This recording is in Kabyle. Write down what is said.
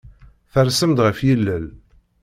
Tersem-d ɣef yilel.